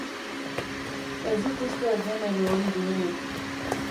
Ez dut uste genero hori duenik.